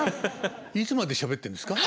いつまでしゃべってるんですか。